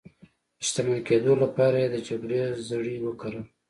د شتمن کېدو لپاره یې د جګړې زړي وکرل.